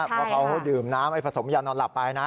เพราะเขาดื่มน้ำผสมยานอนหลับไปนะ